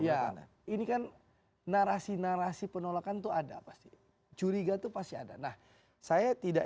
iya ini kan narasi narasi penolakan tuh ada pasti curiga itu pasti ada nah saya tidak